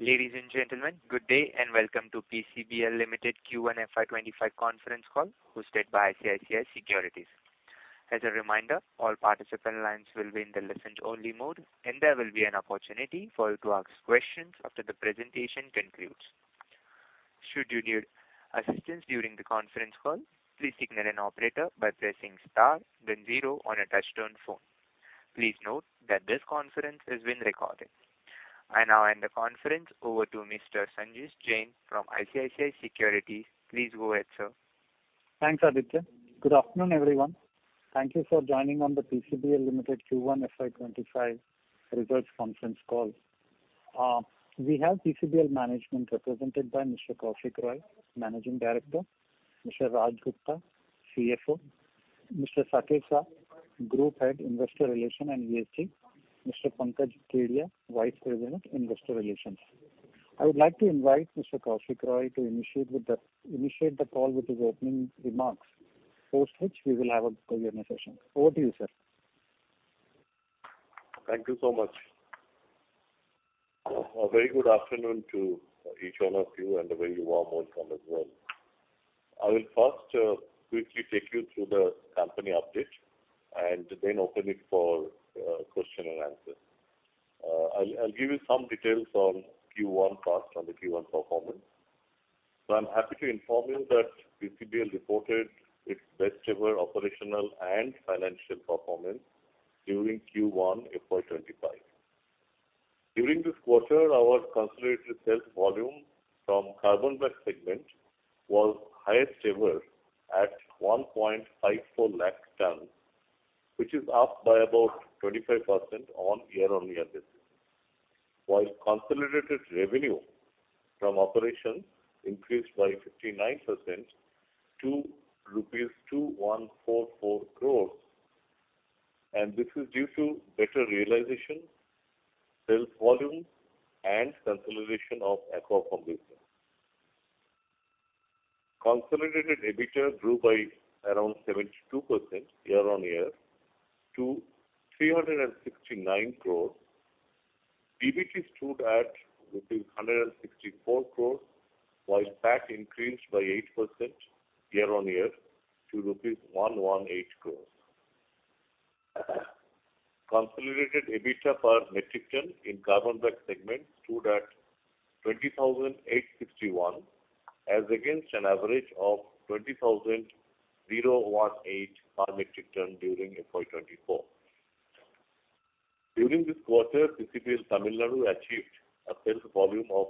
Ladies and gentlemen, good day, and welcome to PCBL Limited Q1 FY25 conference call, hosted by ICICI Securities. As a reminder, all participant lines will be in the listen-only mode, and there will be an opportunity for you to ask questions after the presentation concludes. Should you need assistance during the conference call, please signal an operator by pressing star, then zero on a touchtone phone. Please note that this conference is being recorded. I now hand the conference over to Mr. Sanjesh Jain from ICICI Securities. Please go ahead, sir. Thanks, Aditya. Good afternoon, everyone. Thank you for joining on the PCBL Limited Q1 FY25 results conference call. We have PCBL management, represented by Mr. Kaushik Roy, Managing Director. Mr. Raj Gupta, CFO. Mr. Satish Shah, Group Head, Investor Relations and ESG. Mr. Pankaj Kedia, Vice President, Investor Relations. I would like to invite Mr. Kaushik Roy to initiate the call with his opening remarks, post which we will have a Q&A session. Over to you, sir. Thank you so much. A very good afternoon to each one of you, and a very warm welcome as well. I will first, quickly take you through the company update and then open it for, question and answer. I'll give you some details on Q1 first, on the Q1 performance. So I'm happy to inform you that PCBL reported its best ever operational and financial performance during Q1 FY 2025. During this quarter, our consolidated sales volume from Carbon Black segment was highest ever at 1.54 lakh ton, which is up by about 25% on year-on-year basis. While consolidated revenue from operations increased by 59% to rupees 2,144 crores, and this is due to better realization, sales volume, and consolidation of Aquapharm business. Consolidated EBITDA grew by around 72% year-on-year to 369 crores. PBT stood at rupees 164 crores, while PAT increased by 8% year-on-year to rupees 118 crores. Consolidated EBITDA per metric ton in Carbon Black segment stood at 20,861, as against an average of 20,018 per metric ton during FY 2024. During this quarter, PCBL Tamil Nadu achieved a sales volume of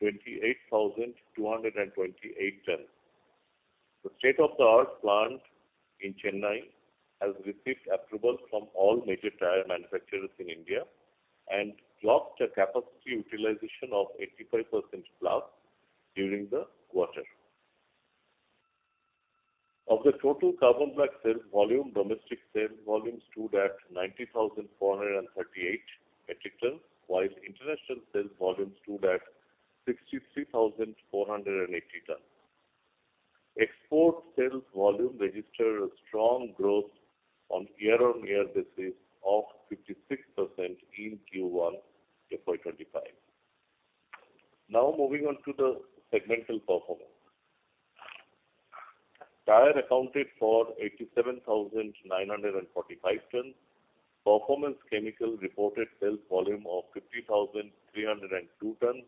28,228 tons. The state-of-the-art plant in Chennai has received approvals from all major tire manufacturers in India and clocked a capacity utilization of 85%+ during the quarter. Of the total Carbon Black sales volume, domestic sales volume stood at 90,438 metric tons, while international sales volume stood at 63,480 tons. Export sales volume registered a strong growth on year-on-year basis of 56% in Q1 FY 2025. Now moving on to the segmental performance. Tire accounted for 87,945 tons. Performance Chemical reported sales volume of 50,302 tons,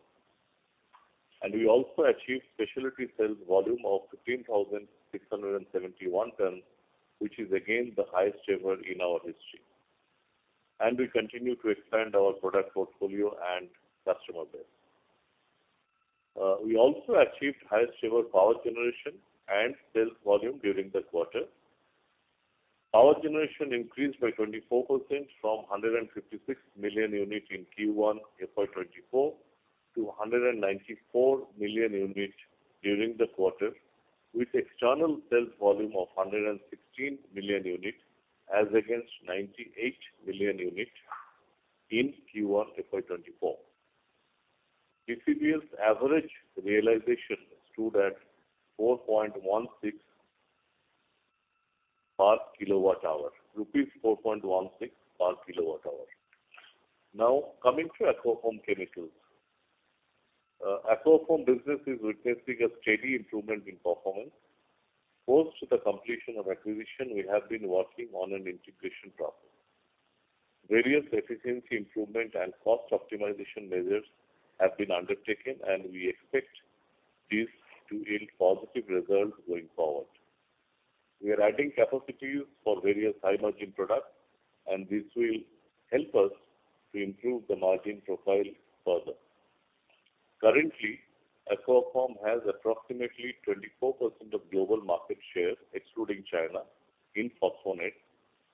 and we also achieved specialty sales volume of 15,671 tons, which is again the highest ever in our history. And we continue to expand our product portfolio and customer base. We also achieved highest ever power generation and sales volume during the quarter. Power generation increased by 24% from 156 million units in Q1 FY 2024 to 194 million units during the quarter, with external sales volume of 116 million units, as against 98 million units in Q1 FY 2024. PCBL's average realization stood at 4.16 per kWh, rupees 4.16 per kWh. Now, coming to Aquapharm Chemicals. Aquapharm business is witnessing a steady improvement in performance. Post the completion of acquisition, we have been working on an integration process. Various efficiency improvement and cost optimization measures have been undertaken, and we expect this to yield positive results going forward. We are adding capacities for various high-margin products, and this will help us to improve the margin profile further. Currently, Aquapharm has approximately 24% of global market share, excluding China, in performance.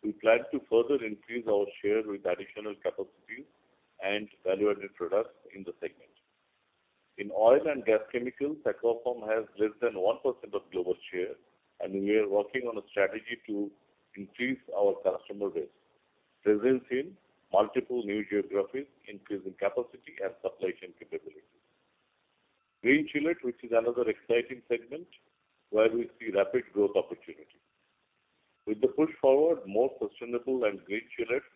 We plan to further increase our share with additional capacities and value-added products in the segment. In oil and gas chemicals, Aquapharm has less than 1% of global share, and we are working on a strategy to increase our customer base, presence in multiple new geographies, increasing capacity and supply chain capabilities. Green Chelate, which is another exciting segment, where we see rapid growth opportunity. With the push forward, more sustainable and green chelate,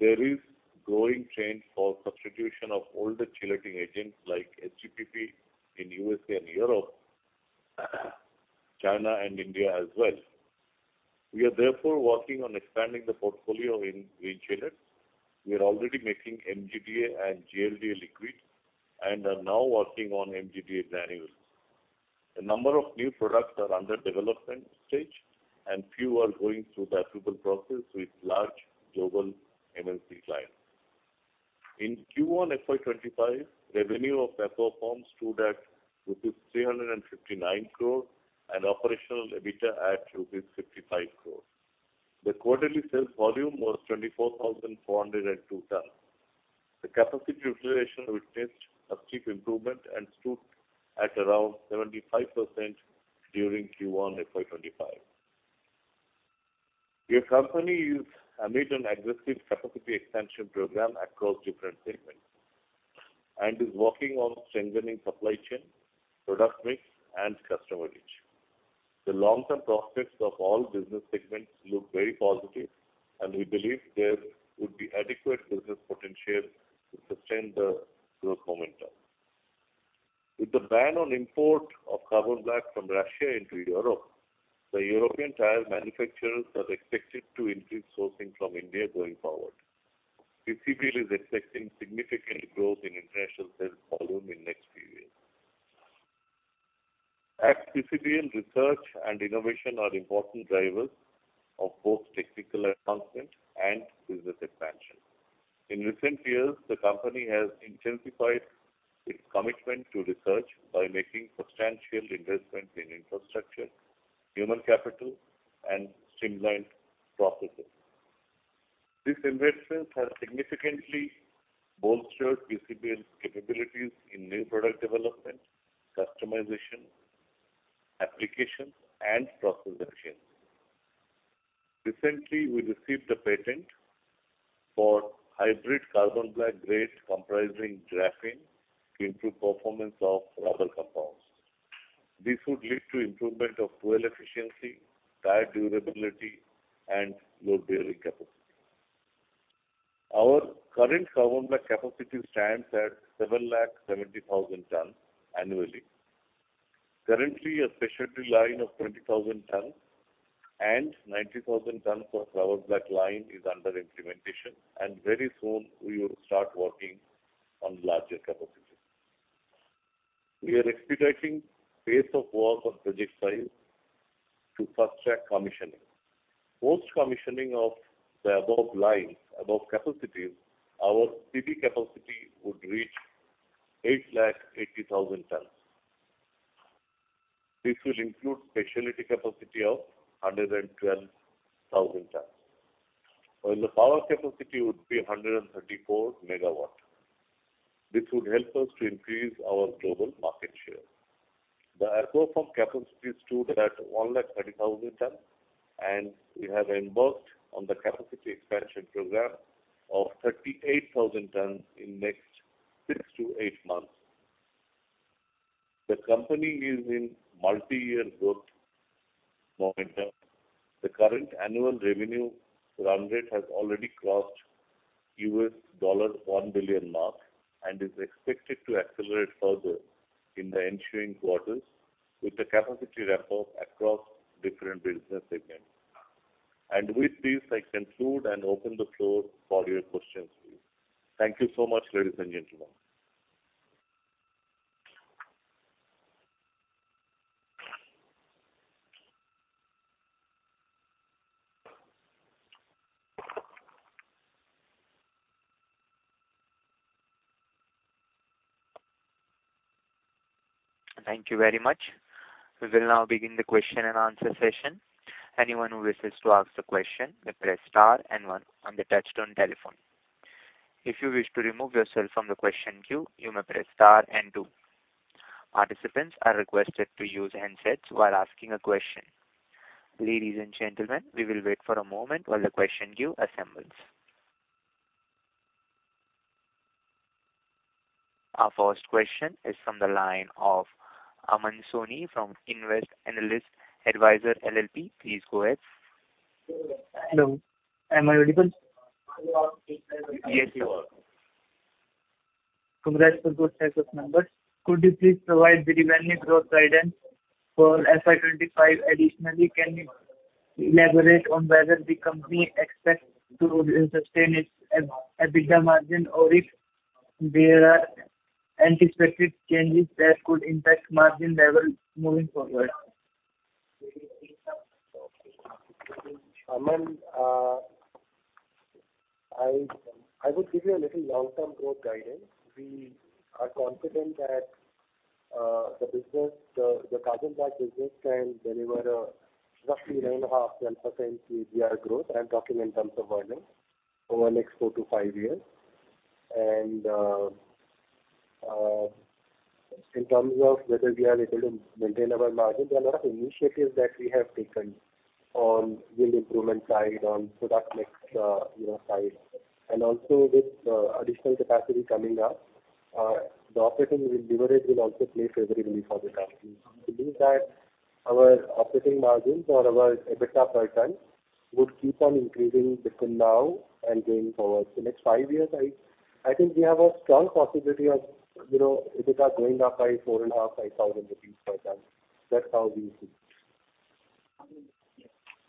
there is growing trend for substitution of older chelating agents like HEDP in USA and Europe, China and India as well. We are therefore working on expanding the portfolio in green chelate. We are already making MGDA and GLDA liquid, and are now working on MGDA granules. A number of new products are under development stage, and few are going through the approval process with large global MNC clients. In Q1 FY2025, revenue of Aquapharm stood at 359 crore and operational EBITDA at 55 crore. The quarterly sales volume was 24,402 tons. The capacity utilization witnessed a steep improvement and stood at around 75% during Q1 FY2025. Your company is amid an aggressive capacity expansion program across different segments, and is working on strengthening supply chain, product mix, and customer reach. The long-term prospects of all business segments look very positive, and we believe there would be adequate business potential to sustain the growth momentum. With the ban on import of carbon black from Russia into Europe, the European tire manufacturers are expected to increase sourcing from India going forward. PCBL is expecting significant growth in international sales volume in next few years. At PCBL, research and innovation are important drivers of both technical advancement and business expansion. In recent years, the company has intensified its commitment to research by making substantial investments in infrastructure, human capital, and streamlined processes. These investments have significantly bolstered PCBL's capabilities in new product development, customization, application, and process efficiency. Recently, we received a patent for hybrid carbon black grade comprising graphene to improve performance of rubber compounds. This would lead to improvement of fuel efficiency, tire durability, and load-bearing capacity. Our current carbon black capacity stands at 770,000 tons annually. Currently, a specialty line of 20,000 tons and 90,000 tons of rubber black line is under implementation, and very soon we will start working on larger capacities. We are expediting pace of work on project sites to fast-track commissioning. Post-commissioning of the above lines, above capacities, our CB capacity would reach 880,000 tons. This will include specialty capacity of 112,000 tons, while the power capacity would be 134 MW. This would help us to increase our global market share. The Aquapharm capacity stood at 130,000 tons, and we have embarked on the capacity expansion program of 38,000 tons in next 6-8 months. The company is in multi-year growth momentum. The current annual revenue run rate has already crossed $1 billion mark, and is expected to accelerate further in the ensuing quarters with the capacity ramp-up across different business segments. And with this, I conclude and open the floor for your questions, please. Thank you so much, ladies and gentlemen. Thank you very much. We will now begin the question-and-answer session. Anyone who wishes to ask a question may press star and one on the touchtone telephone. If you wish to remove yourself from the question queue, you may press star and two. Participants are requested to use handsets while asking a question. Ladies and gentlemen, we will wait for a moment while the question queue assembles. Our first question is from the line of Aman Soni from Invest Analyst Advisor LLP. Please go ahead. Hello, am I audible? Yes, you are. Congrats for good numbers. Could you please provide the revenue growth guidance for FY 2025? Additionally, can you elaborate on whether the company expects to sustain its EBITDA margin, or if there are anticipated changes that could impact margin levels moving forward? Aman, I would give you a little long-term growth guidance. We are confident that the business, the carbon black business can deliver a roughly 9.5%-10% CAGR growth. I'm talking in terms of volumes, over the next 4-5 years. And in terms of whether we are able to maintain our margin, there are a lot of initiatives that we have taken on yield improvement side, on product mix, you know, side, and also with additional capacity coming up, the operating leverage will also play favorably for the company. It means that our operating margins or our EBITDA per ton would keep on increasing between now and going forward. The next five years, I think we have a strong possibility of, you know, EBITDA going up by 4,500-5,000 rupees per ton. That's how we see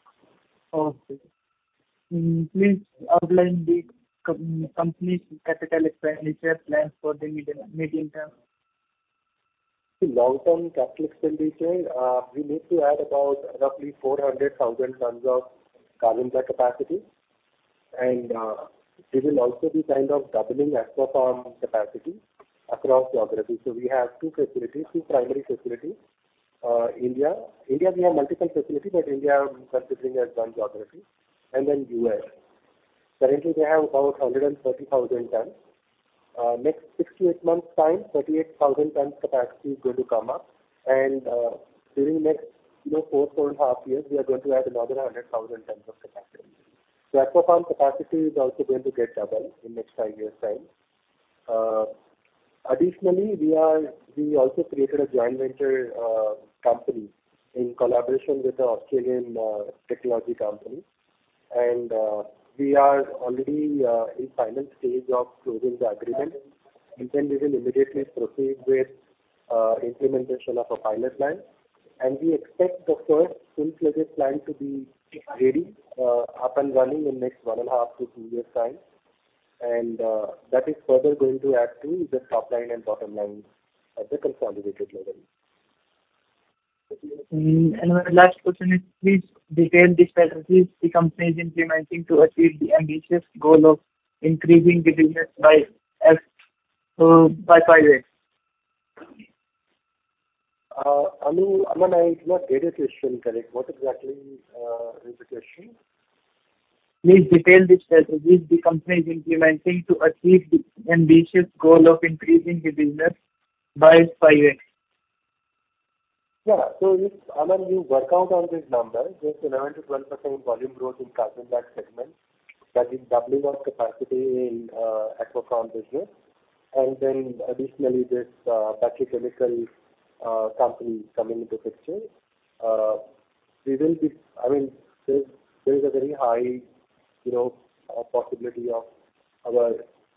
Okay. Please outline the company's capital expenditure plans for the medium term? The long-term capital expenditure, we need to add about roughly 400,000 tons of carbon black capacity, and, we will also be kind of doubling Aquapharm capacity across geographies. So we have two facilities, two primary facilities, India. India, we have multiple facilities, but India are considering as one geography, and then U.S. Currently, we have about 130,000 tons. Next 6 months-8 months time, 38,000 tons capacity is going to come up, and, during next, you know, four, four and a half years, we are going to add another 100,000 tons of capacity. So Aquapharm capacity is also going to get double in next 5 years' time. Additionally, we also created a joint venture company in collaboration with an Australian technology company, and we are already in final stage of closing the agreement. And then we will immediately proceed with implementation of a pilot line, and we expect the first full-fledged line to be ready up and running in next 1.5 years-2 years' time. And that is further going to add to the top line and bottom line at the consolidated level. My last question is, please detail the strategies the company is implementing to achieve the ambitious goal of increasing the business by 5x? Aman, I did not get your question correct. What exactly is the question? Please detail the strategies the company is implementing to achieve the ambitious goal of increasing the business by 5x? Yeah. So if, Aman, you work out on this number, just 11%-12% volume growth in carbon black segment, that is doubling of capacity in Aquapharm business, and then additionally, this petrochemical company coming into picture. We will be—I mean, there is a very high, you know, possibility of our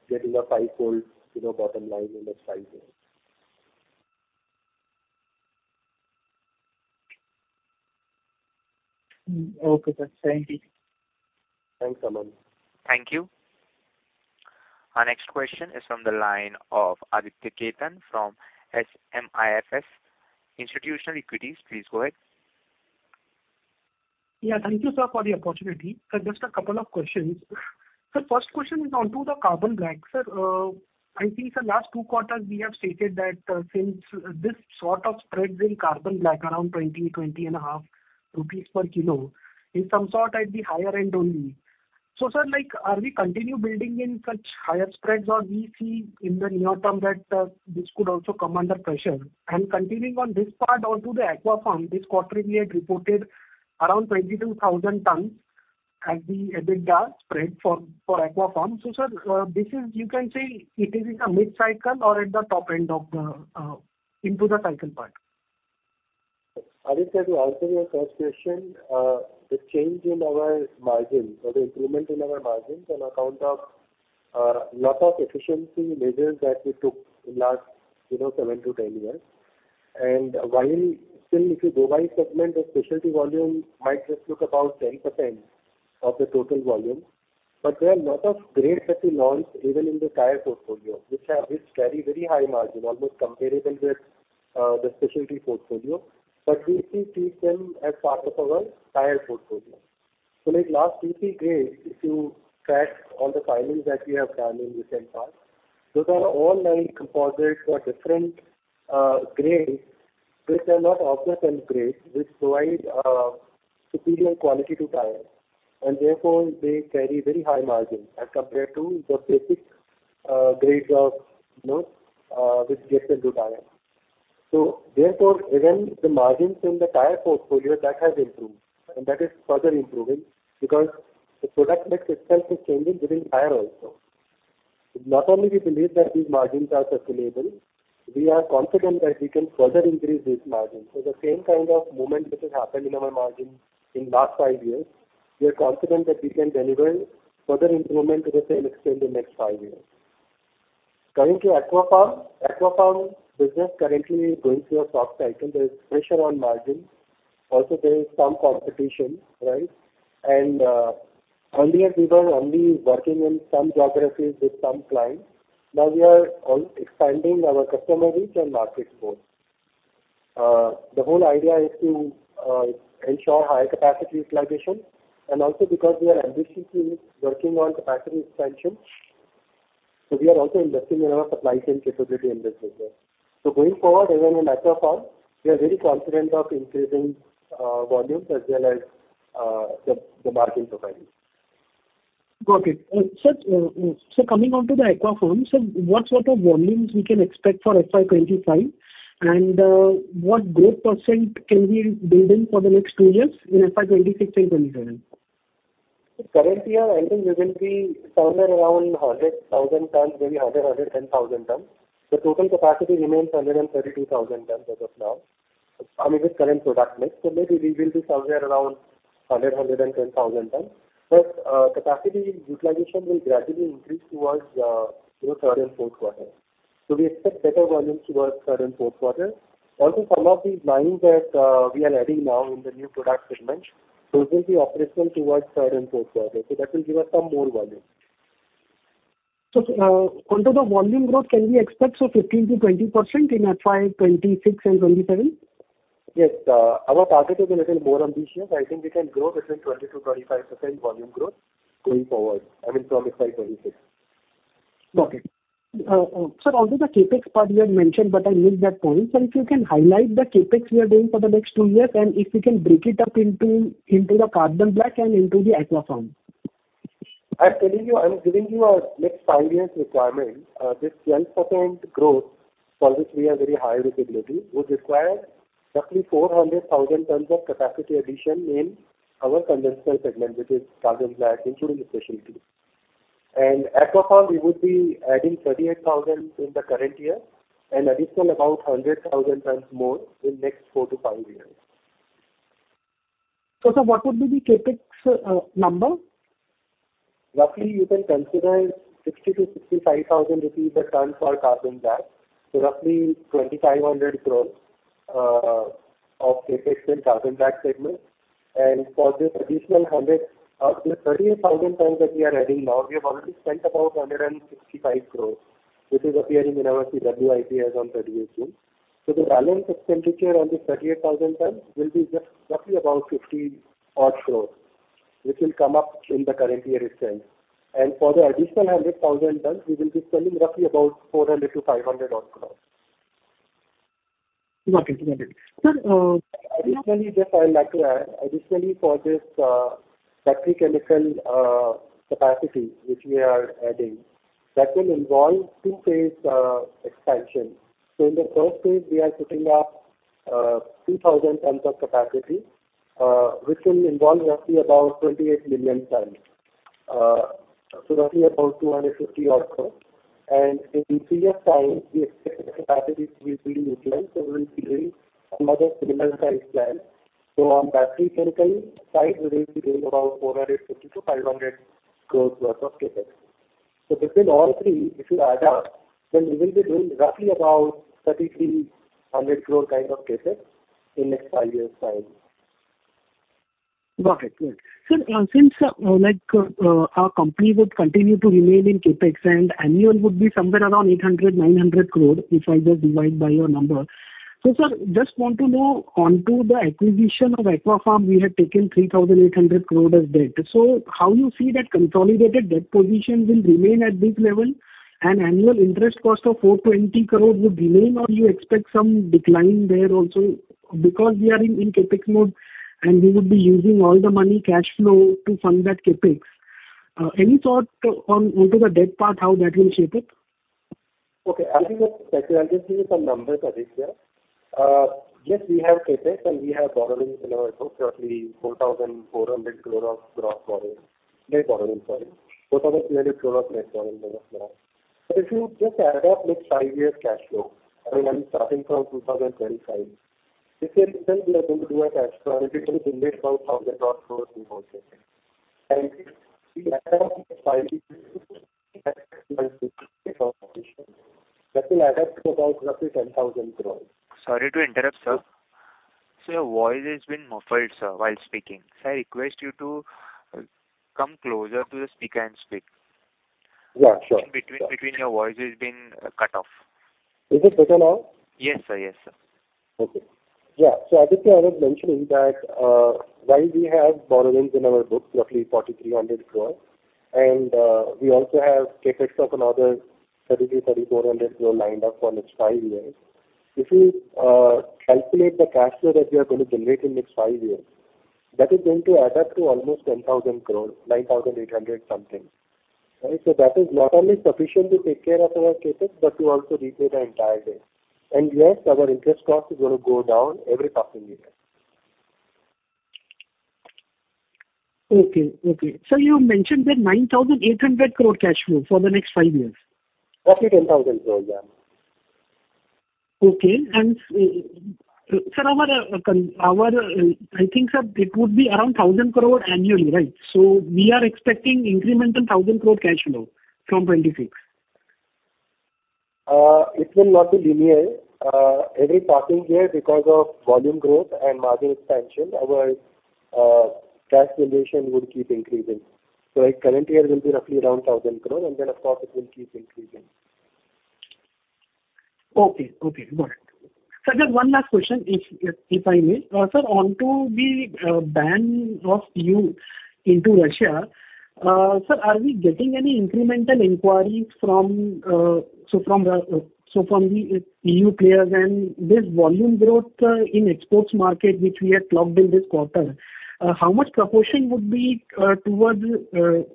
getting a fivefold, you know, bottom line in the next five years. Mm. Okay, sir. Thank you. Thanks, Aman. Thank you. Our next question is from the line of Aditya Khetan from SMIFS Institutional Equities. Please go ahead. Yeah, thank you, sir, for the opportunity. Sir, just a couple of questions. Sir, first question is on to the carbon black. Sir, I think the last two quarters we have stated that, since this sort of spreads in carbon black, around 20-20.5 rupees per kilo, is some sort at the higher end only. So sir, like, are we continue building in such higher spreads, or we see in the near term that, this could also come under pressure? And continuing on this part onto the Aquapharm, this quarter we had reported around 22,000 tons as the EBITDA spread for, for Aquapharm. So, sir, this is, you can say it is in a mid-cycle or at the top end of the, into the cycle part? Aditya, to answer your first question, the change in our margins or the improvement in our margins on account of lot of efficiency measures that we took in last, you know, 7 years-10 years. And while still, if you go by segment, the specialty volume might just look about 10% of the total volume. But there are lot of grades that we launched even in the tire portfolio, which have, which carry very high margin, almost comparable with the specialty portfolio. But we still keep them as part of our tire portfolio. So like last 2, 3 grades, if you track all the filings that we have done in recent past, those are all 9 composites or different grades, which are not offset grades, which provide superior quality to tires, and therefore they carry very high margins as compared to the basic grades of, you know, which gets into tire. So therefore, even the margins in the tire portfolio, that has improved, and that is further improving because the product mix itself is changing within tire also. Not only we believe that these margins are sustainable, we are confident that we can further increase these margins. So the same kind of movement which has happened in our margins in last 5 years, we are confident that we can deliver further improvement to the same extent in next 5 years. Coming to Aquapharm. Aquapharm business currently going through a tough cycle. There is pressure on margins. Also, there is some competition, right? And earlier we were only working in some geographies with some clients. Now we are expanding our customer reach and market scope. The whole idea is to ensure higher capacity utilization and also because we are ambitiously working on capacity expansion, so we are also investing in our supply chain capability in this business. So going forward, even in Aquapharm, we are very confident of increasing volumes as well as the margin profiles. Got it. So, so coming on to the Aquapharm, so what sort of volumes we can expect for FY 2025, and what growth percent can we build in for the next two years in FY2026 and FY2027? Currently, our engine will be somewhere around 100,000 tons, maybe 100, 000 tons, and 110,000 tons. The total capacity remains 132,000 tons as of now, I mean, with current product mix. So maybe we will be somewhere around 100, 000 tons, 110,000 tons, but capacity utilization will gradually increase towards, you know, third and fourth quarter. So we expect better volumes towards third and fourth quarter. Also, some of these lines that we are adding now in the new product segment, those will be operational towards third and fourth quarter, so that will give us some more volume. So, onto the volume growth, can we expect so 15%-20% in FY 2026 and FY 2027? Yes. Our target is a little more ambitious. I think we can grow between 20%-25% volume growth going forward, I mean, from FY 2026. Got it. Sir, also the CapEx part you had mentioned, but I missed that point. So if you can highlight the CapEx we are doing for the next two years, and if you can break it up into the carbon black and into the Aquapharm. I'm telling you, I'm giving you a next five years requirement. This 10% growth, for which we have very high visibility, would require roughly 400,000 tons of capacity addition in our conventional segment, which is carbon black, including specialty. And Aquapharm, we would be adding 38,000 in the current year and additional about 100,000 tons more in next 4 years-5 years. Sir, what would be the CapEx number? Roughly, you can consider 60,000-65,000 INR/ton for carbon black. So roughly 2,500 crore of CapEx in carbon black segment. And for this additional 100,000, the 38,000 tons that we are adding now, we have already spent about 165 crore, which is appearing in our CWIP as on June 30th. So the balance expenditure on this 38,000 tons will be just roughly about 50 crore, which will come up in the current year itself. And for the additional 100,000 tons, we will be spending roughly about 400-500 crore. Okay. Sir, Additionally, just I would like to add, additionally for this, battery chemical capacity, which we are adding, that will involve two phase expansion. So in the first phase, we are putting up 2,000 tons of capacity, which will involve roughly about 28 million tons. So roughly about 250 crores. And in three years' time, we expect the capacity to be fully utilized, so we will be doing another similar size plan. So on battery chemical side, we will be doing about 450-500 crores worth of CapEx. So between all three, if you add up, then we will be doing roughly about 3,300 crore type of CapEx in next five years time. Got it. Sir, since, like, our company would continue to remain in CapEx, and annual would be somewhere around 800-900 crores, if I just divide by your number. So, sir, just want to know, onto the acquisition of Aquapharm, we had taken 3,800 crores as debt. So how you see that consolidated debt position will remain at this level, and annual interest cost of 420 crores would remain, or you expect some decline there also? Because we are in CapEx mode, and we would be using all the money cash flow to fund that CapEx. Any thought on, onto the debt part, how that will shape it? Okay. I think that actually I'll give you some numbers, Aditya. Yes, we have CapEx, and we have borrowings in our books, roughly 4,400 crores of gross borrowings—net borrowing, sorry. 4,300 crores net borrowing as of now. But if you just add up next five years cash flow, I mean, I'm starting from 2025. If we are going to do a cash flow, it will generate around 1,000 crores roughly. And if we add up five years, that will add up to about roughly 10,000 crores. Sorry to interrupt, sir. So your voice has been muffled, sir, while speaking. Sir, I request you to come closer to the speaker and speak. Yeah, sure. Your voice has been cut off. Is it better now? Yes, sir. Okay. Yeah. So Aditya, I was mentioning that, while we have borrowings in our books, roughly 4,300 crore, and, we also have CapEx of another 3,000-3,400 crore lined up for next five years. If you, calculate the cash flow that we are going to generate in next five years, that is going to add up to almost 10,000 crore, 9,800 something. Right? So that is not only sufficient to take care of our CapEx, but to also repay the entire debt. And yes, our interest cost is going to go down every passing year. Okay. Sir, you mentioned that 9,800 crore cash flow for the next five years? Roughly 10,000 crore, yeah. Okay. Sir, I think, sir, it would be around 1,000 crore annually, right? So we are expecting incremental 1, 000 crore cash flow from 2026. It will not be linear. Every passing year, because of volume growth and margin expansion, our cash generation would keep increasing. So our current year will be roughly around 1,000 crore, and then of course, it will keep increasing. Okay. Got it. Sir, just one last question, if I may. Sir, on the EU ban on Russia, sir, are we getting any incremental inquiry from the EU players and this volume growth in exports market, which we have clocked in this quarter, how much proportion would be towards the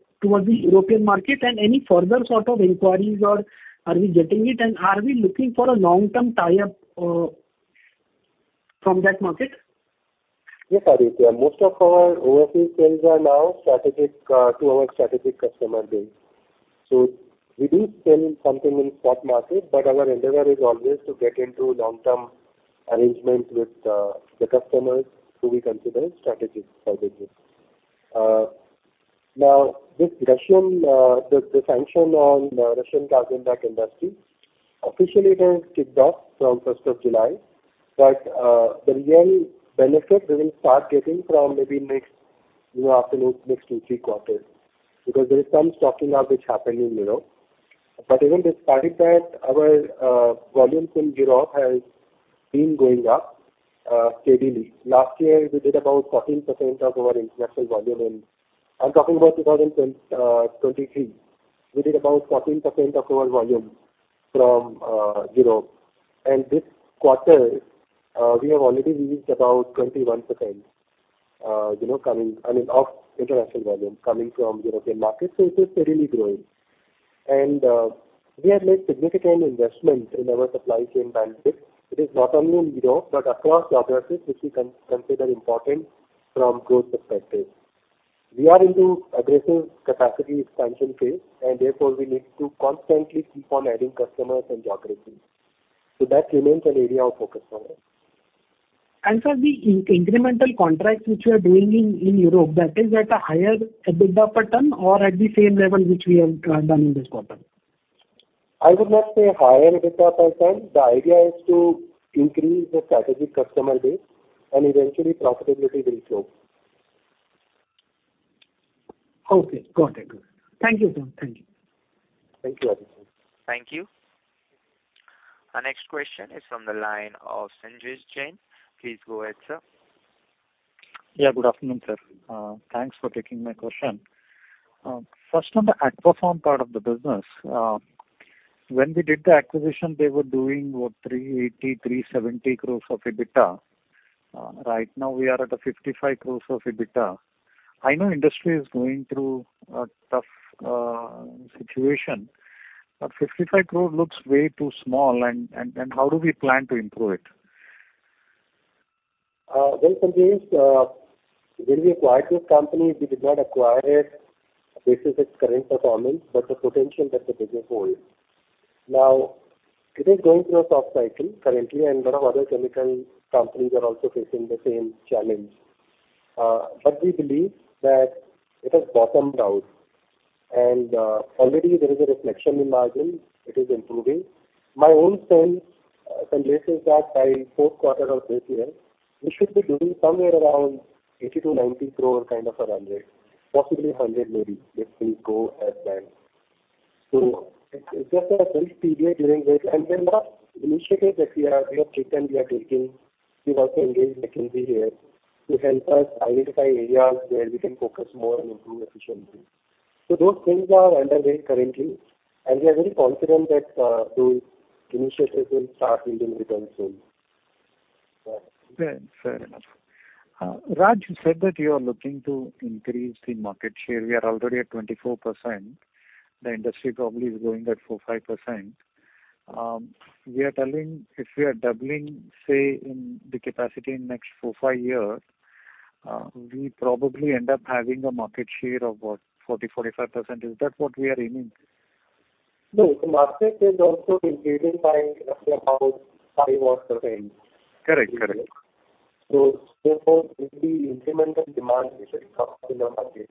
European market? And any further sort of inquiries or are we getting it, and are we looking for a long-term tie-up from that market? Yes, Aditya. Most of our overseas sales are now strategic to our strategic customer base. So we do sell something in stock market, but our endeavor is always to get into long-term arrangements with the customers who we consider strategic for the group. Now, this Russian, the, the sanction on Russian carbon black industry, officially it has kicked off from first of July, but the real benefit we will start getting from maybe next, you know, after next two, three quarters. Because there is some stocking up which happened in Europe. But even despite that, our volumes in Europe has been going up steadily. Last year, we did about 14% of our international volume, and I'm talking about 2023. We did about 14% of our volume from Europe. This quarter, we have already reached about 21%, you know, coming, I mean, of international volume coming from European markets, so it is steadily growing. We have made significant investments in our supply chain bandwidth. It is not only in Europe, but across geographies, which we consider important from growth perspective. We are into aggressive capacity expansion phase, and therefore, we need to constantly keep on adding customers and geographies. So that remains an area of focus for us. Sir, the incremental contracts which we are doing in Europe, that is at a higher EBITDA per ton or at the same level which we have done in this quarter? I would not say higher EBITDA per ton. The idea is to increase the strategic customer base, and eventually profitability will flow. Okay, got it. Thank you, sir. Thank you. Thank you, Aditya. Thank you. Our next question is from the line of Sanjesh Jain. Please go ahead, sir. Yeah, good afternoon, sir. Thanks for taking my question. First, on the Aquapharm part of the business, when we did the acquisition, they were doing about 380, 370 crore of EBITDA. Right now we are at 55 crore of EBITDA. I know industry is going through a tough situation, but 55 crore looks way too small, and how do we plan to improve it? Well, Sanjesh, when we acquired this company, we did not acquire it based on its current performance, but the potential that the business holds. Now, it is going through a tough cycle currently, and lot of other chemical companies are also facing the same challenge. But we believe that it has bottomed out, and already there is a reflection in margin. It is improving. My own sense, Sanjesh, is that by fourth quarter of this year, we should be doing somewhere around 80 crore-90 crore, kind of a run rate, possibly 100 million, if things go as planned. So it's just a very period during which... And then the initiative that we are, we have taken, we are taking, we've also engaged McKinsey here to help us identify areas where we can focus more and improve efficiency. Those things are underway currently, and we are very confident that those initiatives will start yielding returns soon. Yeah, fair enough. Raj, you said that you are looking to increase the market share. We are already at 24%. The industry probably is growing at 4%-5%. We are telling, if we are doubling, say, in the capacity in next 4 years-5 years, we probably end up having a market share of, what? 40%-45%. Is that what we are aiming? No, the market is also increasing by about 5 odd percent. Correct. So, therefore, if we incremental demand, we should cover the market.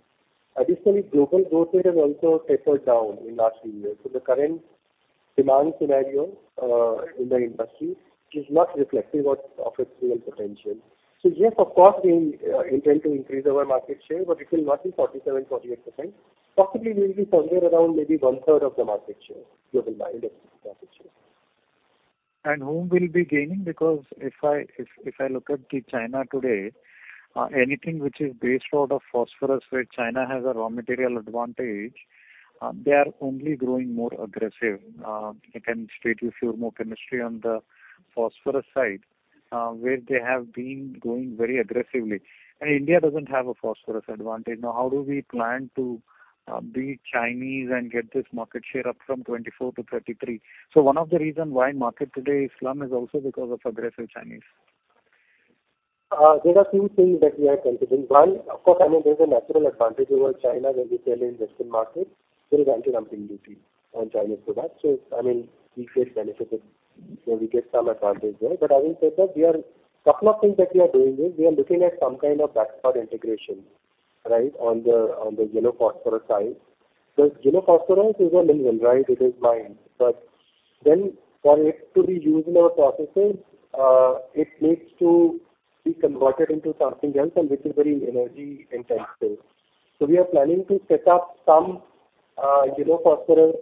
Additionally, global growth rate has also tapered down in last few years. So the current demand scenario in the industry is not reflecting what of its real potential. So yes, of course, we intend to increase our market share, but it will not be 47%-48%. Possibly, we will be somewhere around maybe one-third of the market share, global market share. Who will be gaining? Because if I look at China today, anything which is based out of phosphorus, where China has a raw material advantage, they are only growing more aggressive. I can state with pure chemistry on the phosphorus side, where they have been growing very aggressively. And India doesn't have a phosphorus advantage. Now, how do we plan to beat Chinese and get this market share up from 24 to 33? So one of the reason why market today is slump is also because of aggressive Chinese. There are few things that we are considering. One, of course, I mean, there is a natural advantage over China when we sell in Western markets. There is anti-dumping duty on Chinese products. So I mean, we face benefits, so we get some advantage there. But I will say that we are... Couple of things that we are doing is, we are looking at some kind of backward integration, right, on the, on the yellow phosphorus side. So yellow phosphorus is a mineral, right? It is mined. But then for it to be used in our processes, it needs to be converted into something else, and which is very energy intensive. So we are planning to set up, you know, phosphorus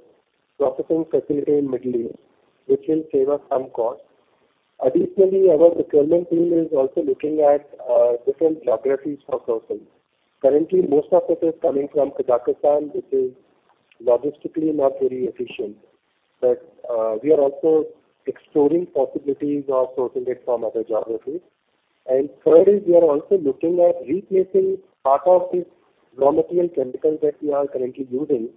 processing facility in Middle East, which will save us some cost. Additionally, our procurement team is also looking at different geographies for sourcing. Currently, most of it is coming from Kazakhstan, which is logistically not very efficient. But, we are also exploring possibilities of sourcing it from other geographies. And thirdly, we are also looking at replacing part of the raw material chemicals that we are currently using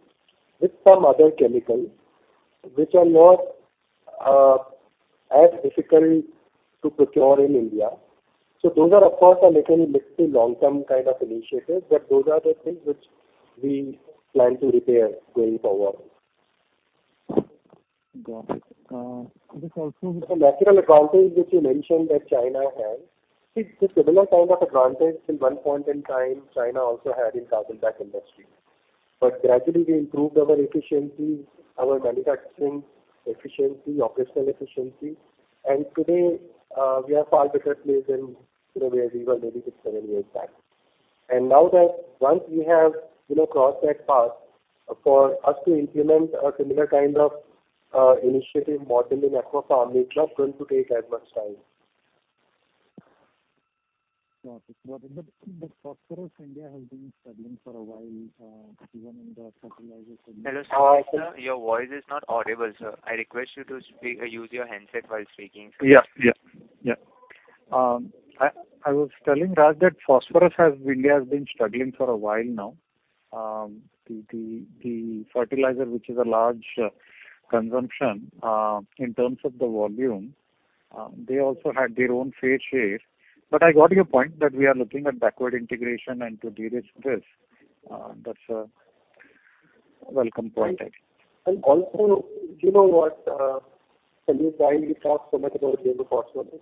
with some other chemicals, which are not as difficult to procure in India. So those are, of course, a little bit long-term kind of initiatives, but those are the things which we plan to repair going forward. Got it. This also- The natural advantage, which you mentioned, that China has, it's a similar kind of advantage in one point in time China also had in carbon black industry. But gradually we improved our efficiency, our manufacturing efficiency, operational efficiency, and today, we are far better placed than, you know, where we were maybe six, seven years back. And now that once we have, you know, crossed that path, for us to implement a similar kind of initiative model in Aquapharm, it's not going to take as much time. Got it. But the, the phosphorus in India has been struggling for a while, even in the fertilizer sector. Hello, sir. Your voice is not audible, sir. I request you to speak or use your handset while speaking. Yeah. I was telling Raj that phosphorus has really been struggling for a while now. The fertilizer, which is a large consumption in terms of the volume, they also had their own fair share. But I got your point that we are looking at backward integration and to derisk this, that's a welcome point I think. And also, you know what, Sanjay, while we talk so much about the phosphorus, all that we do is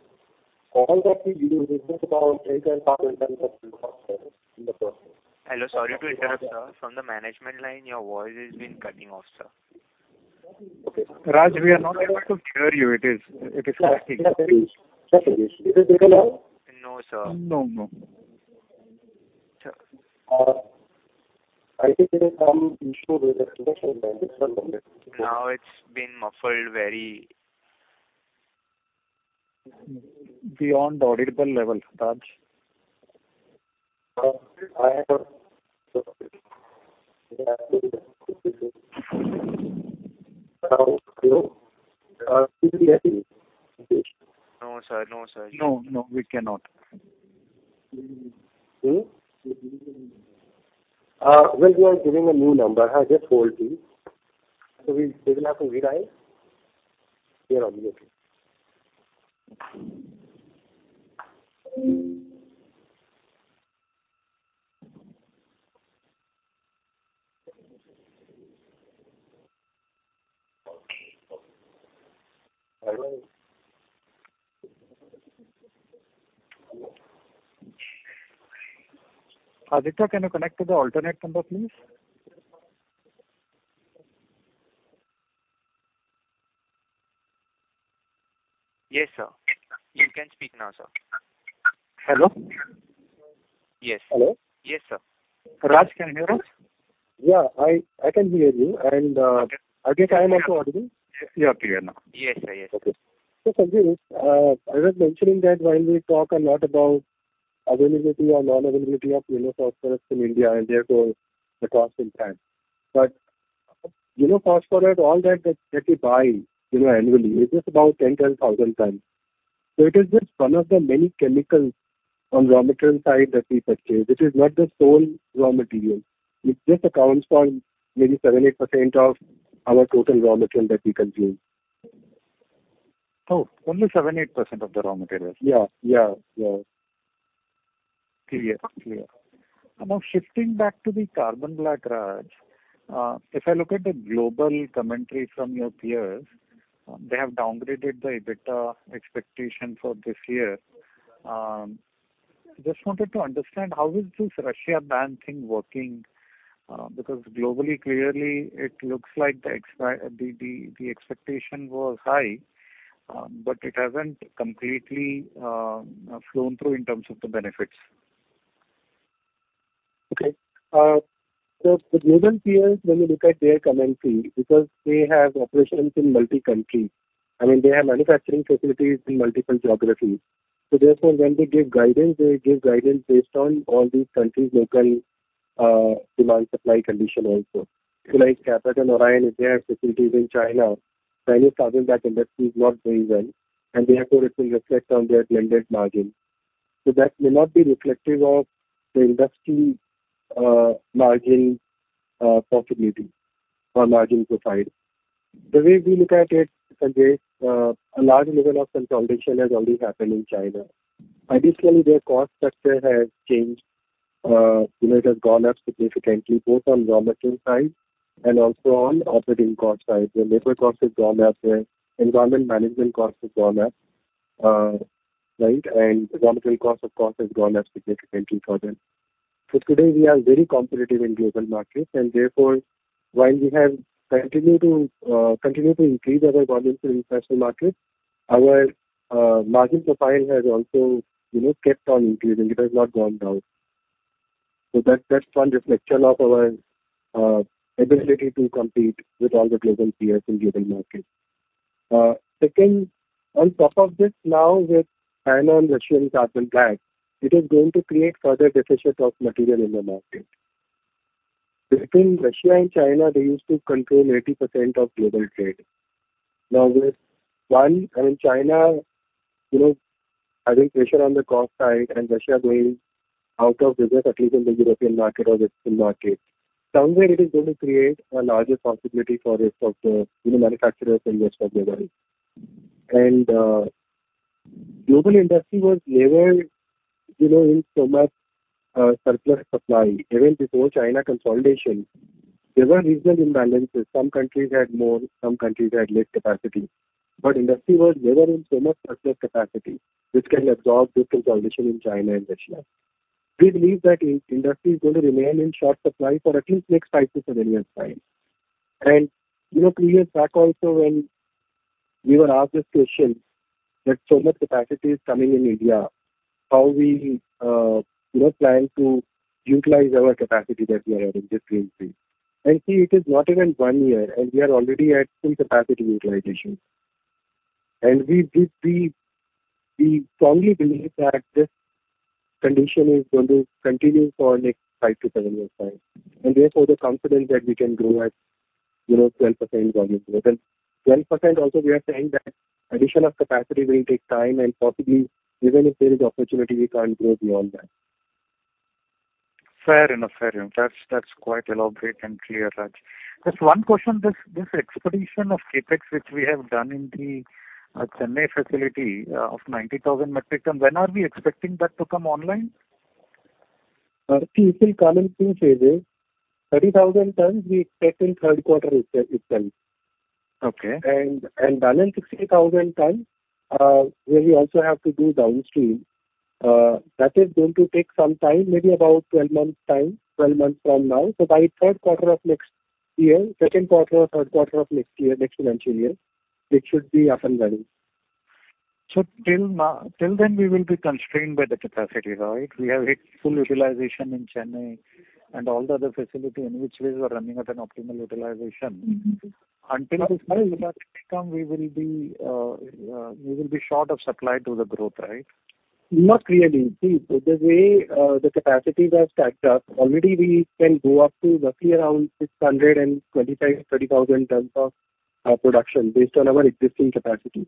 just about 10,000-12,000 tons in the process. Hello. Sorry to interrupt, sir. From the management line, your voice has been cutting off, sir. Okay. Raj, we are not able to hear you. It is, it is cutting. Yeah, it is. Did it get along? No, sir. No, no. I think there is some issue with the connection then. Now it's been muffled very... Beyond the audible level, Raj. I have a... No, sir. No, sir. No, no, we cannot. Well, we are giving a new number. I just told you. So we, they will have to redial. They're on the way. Hello? Aditya, can you connect to the alternate number, please? Yes, sir. You can speak now, sir. Hello? Yes. Hello? Yes, sir. Raj, can you hear us? Yeah, I can hear you, and I guess I am also audible? Yes, you are clear now. Yes, sir. Yes. Okay. So Sanjay, I was mentioning that while we talk a lot about availability or non-availability of, you know, phosphorus in India and therefore the cost and time. But, you know, phosphorus, all that, that we buy, you know, annually, is just about 10,000-12,000 tons. So it is just one of the many chemicals on raw material side that we purchase. It is not the sole raw material. It just accounts for maybe 7%-8% of our total raw material that we consume. Oh, only 7%-8% of the raw materials? Yeah. Clear. Now, shifting back to the carbon black, Raj, if I look at the global commentary from your peers, they have downgraded the EBITDA expectation for this year. Just wanted to understand, how is this Russia ban thing working? Because globally, clearly it looks like the- the expectation was high, but it hasn't completely flown through in terms of the benefits. Okay. So the global peers, when you look at their commentary, because they have operations in multi-country, I mean, they have manufacturing facilities in multiple geographies. So therefore, when they give guidance, they give guidance based on all these countries' local demand, supply condition also. Like Cabot and Orion, they have facilities in China. Chinese carbon black industry is not doing well, and they have to reflect on their blended margin. So that may not be reflective of the industry margin, profitability or margin profile. The way we look at it, Sanjay, a large level of consolidation has already happened in China. Additionally, their cost structure has changed. You know, it has gone up significantly, both on raw material side and also on operating cost side. The labor cost has gone up, their environment management cost has gone up, right? And raw material cost, of course, has gone up significantly for them. So today we are very competitive in global markets, and therefore, while we have continued to increase our volumes in international markets, our margin profile has also, you know, kept on increasing. It has not gone down. So that, that's one reflection of our ability to compete with all the global peers in global market. Second, on top of this now with China and Russian Carbon Black, it is going to create further deficit of material in the market. Between Russia and China, they used to control 80% of global trade. Now, I mean, China, you know, having pressure on the cost side and Russia going out of business, at least in the European market or the Western market, somewhere it is going to create a larger possibility for rest of the, you know, manufacturers and rest of the world. And, global industry was never, you know, in so much surplus supply. Even before China consolidation, there were regional imbalances. Some countries had more, some countries had less capacity, but industry was never in so much surplus capacity, which can absorb this consolidation in China and Russia. We believe that the industry is going to remain in short supply for at least the next five to seven years' time. You know, 3 years back also when we were asked this question, that so much capacity is coming in India, how we, you know, plan to utilize our capacity that we are adding this year? See, it is not even 1 year, and we are already at full capacity utilization. We strongly believe that this condition is going to continue for next 5 years-7 years' time, and therefore the confidence that we can grow at, you know, 12% volume growth, 12% also we are saying that addition of capacity will take time, and possibly even if there is opportunity, we can't grow beyond that. Fair enough. Fair enough. That's, that's quite elaborate and clear, Raj. Just one question, this, this expenditure of CapEx, which we have done in the, Chennai facility, of 90,000 metric tons, when are we expecting that to come online? It will come in two phases. 30,000 tons we expect in third quarter itself. Balance 60,000 tons, where we also have to do downstream. That is going to take some time, maybe about 12 months' time, 12 months from now. So by third quarter of next year, second quarter or third quarter of next year, next financial year, it should be up and running. So till then, we will be constrained by the capacity, right? We have hit full utilization in Chennai and all the other facility in which we are running at an optimal utilization Until this new capacity come, we will be, we will be short of supply to the growth, right? Not really. See, the way the capacities are stacked up, already we can go up to roughly around 625,000 tons-630,000 tons of production based on our existing capacity.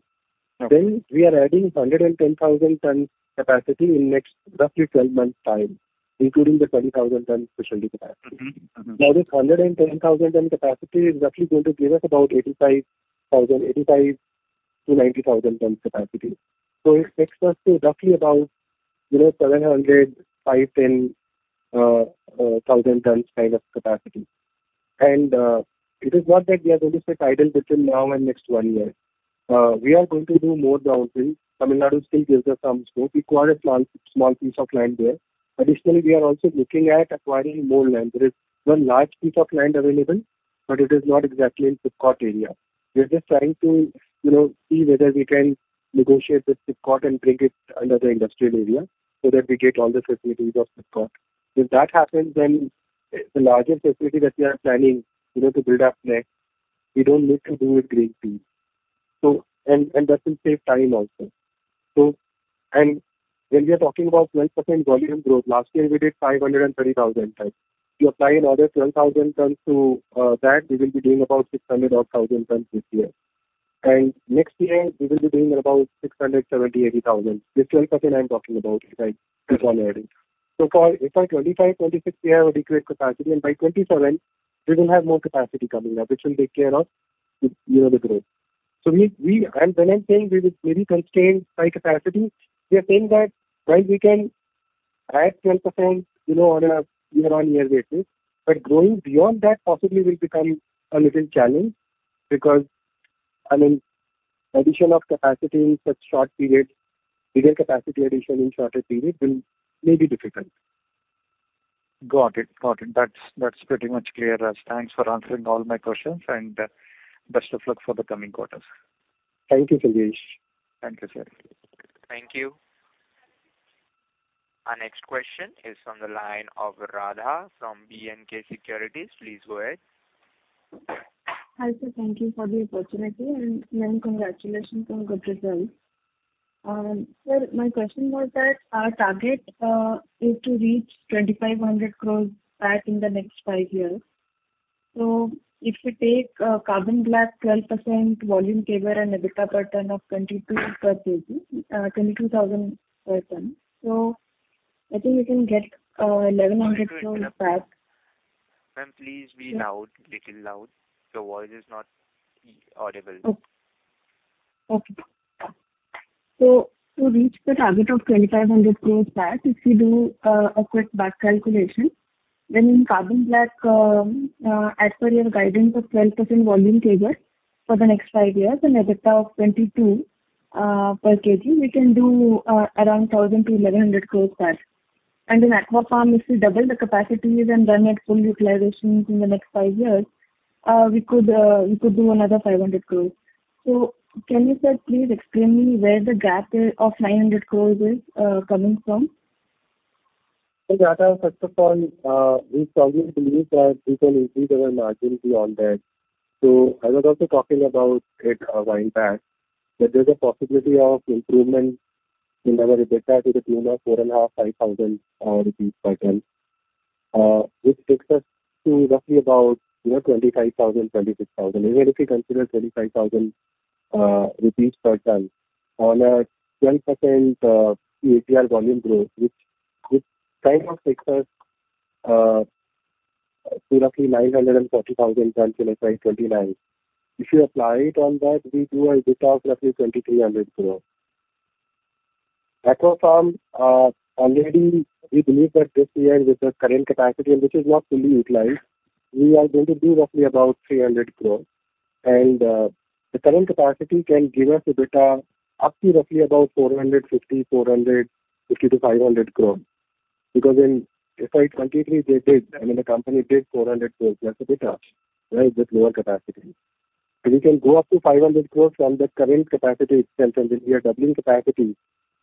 Then we are adding 110,000 tons capacity in next roughly 12 months' time, including the 20,000 tons specialty capacity. Now, this 110,000 ton capacity is roughly going to give us about 85,000-90,000 ton capacity. So it takes us to roughly about, you know, 705,000 tons-710,000 tons kind of capacity. And it is not that we are going to sit idle between now and next one year. We are going to do more downstream. Tamil Nadu still gives us some scope. We acquired a small, small piece of land there. Additionally, we are also looking at acquiring more land. There is one large piece of land available, but it is not exactly in SIPCOT area. We are just trying to, you know, see whether we can negotiate with SIPCOT and bring it under the industrial area so that we get all the facilities of SIPCOT. If that happens, then the larger facility that we are planning, you know, to build up next, we don't need to do with greenfield. And that will save time also. So, and when we are talking about 12% volume growth, last year we did 530,000 tons. You apply another 12,000 tons to that, we will be doing about 600,000-odd tons this year. Next year we will be doing about 670,000-680,000. This 12% I'm talking about, if I keep on adding. So for, if for 2025, 2026, we have adequate capacity, and by 2027 we will have more capacity coming up, which will take care of the, you know, the growth. So, and when I'm saying we will maybe constrained by capacity, we are saying that while we can add 12%, you know, on a year-on-year basis, but growing beyond that possibly will become a little challenge, because, I mean, addition of capacity in such short period, bigger capacity addition in shorter period will may be difficult. Got it. Got it. That's, that's pretty much clear, Raj. Thanks for answering all my questions, and best of luck for the coming quarters. Thank you, Sanjesh. Thank you, sir. Thank you. Our next question is on the line of Radha from BNK Securities. Please go ahead. Hi, sir. Thank you for the opportunity, and, and congratulations on good results. Sir, my question was that our target is to reach 2,500 crore PAT in the next 5 years. So if we take carbon black 12% volume target and EBITDA per ton of 22- per kg, INR 22,000 per ton. So I think we can get 1,100 crore PAT. Ma'am, please be a little loud. Your voice is not audible. Okay. So to reach the target of 2,500 crore PAT, if you do a quick back calculation, then carbon black, as per your guidance of 12% volume target for the next five years, and EBITDA of 22 per kg, we can do around 1,000 crore-1,100 crore PAT... and in Aquapharm, if we double the capacities and run at full utilization in the next five years, we could, we could do another 500 crore. So can you, sir, please explain me where the gap of 900 crore is coming from? So, Radha, first of all, we strongly believe that we can increase our margins beyond that. So I was also talking about it while back, that there's a possibility of improvement in our EBITDA to the tune of 4,500 INR-5,000 INR per ton. Which takes us to roughly about, you know, 25,000-26,000. Even if you consider 25,000 rupees per ton on a 10% APR volume growth, which kind of takes us to roughly 940,000 tons in FY 2029. If you apply it on that, we do an EBITDA of roughly 2,300 crore. Aquapharm already we believe that this year, with the current capacity, and this is not fully utilized, we are going to do roughly about 300 crore. The current capacity can give us EBITDA up to roughly about 450 crore-500 crore. Because in FY 2023, they did, I mean, the company did 400 crore as EBITDA, right? With lower capacity. And we can go up to 500 crore from the current capacity itself, and then we are doubling capacity.